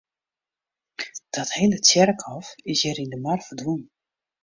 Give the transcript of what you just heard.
Dat hele tsjerkhôf is hjir yn de mar ferdwûn.